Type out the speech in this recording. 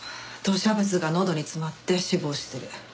吐瀉物がのどに詰まって死亡してる。